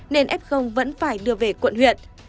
nên f vẫn phải đưa về quận huyện